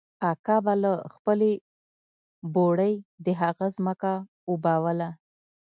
اکا به له خپلې بوړۍ د هغه ځمکه اوبوله.